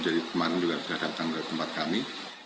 dari kemarin juga terhadap tangga tempat kami